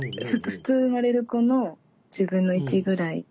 普通生まれる子の１０分の１ぐらいで。